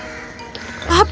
jadi dia pergi ke sana